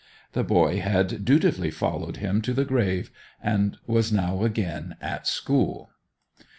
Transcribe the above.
The boy had dutifully followed him to the grave, and was now again at school.